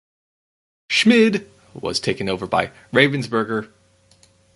Schmid was taken over by Ravensburger.